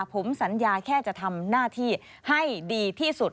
ผมสัญญาแค่จะทำหน้าที่ให้ดีที่สุด